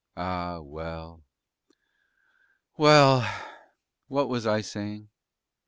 ah well, well ... what was I saying?"